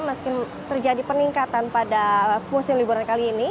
meski terjadi peningkatan pada musim liburan kali ini